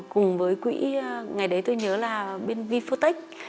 cùng với quỹ ngày đấy tôi nhớ là bên vifotech